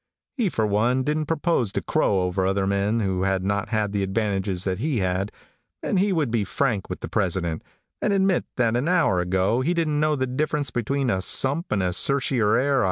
He, for one, didn't propose to crow over other men who had not had the advantages that he had, and he would be frank with the president, and admit that an hour ago he didn't know the difference between a sump and a certiorari.